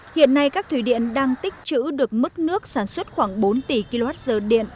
hiện nay các thủy điện đang tích chữ được mức nước sản xuất khoảng bốn tỷ kwh điện